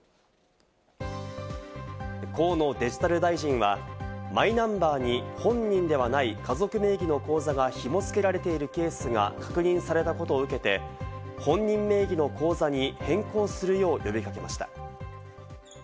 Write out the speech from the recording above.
河野デジタル大臣は、マイナンバーに本人ではない家族名義の口座がひもづけられているケースが確認されたことを受けて、本人名義の口座に変更するよう呼び掛けました。